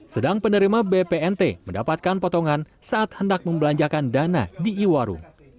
sedang penerima bpnt mendapatkan potongan saat hendak membelanjakan dana di iwaru